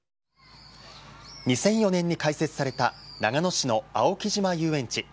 ２００４年に開設された長野市の青木島遊園地。